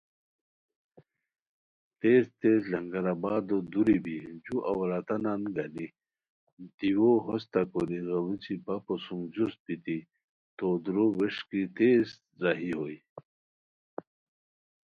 تیز تیز لنگر آبادو دُوری بی جو عوراتانان گانی دیوؤ ہوستہ کوری غیڑوچی بپو سُم جوست بیتی تو دُور و ووݰکی تیز راہی ہوئے